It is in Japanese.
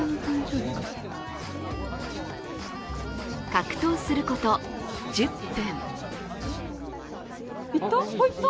格闘すること１０分。